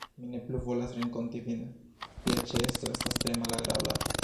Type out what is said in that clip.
Mi ne plu volas renkonti vin, via ĉeesto estas tre malagrabla.